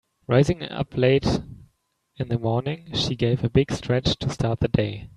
Rising up late in the morning she gave a big stretch to start the day.